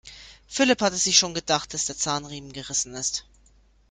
Philipp hatte sich schon gedacht, dass der Zahnriemen gerissen ist.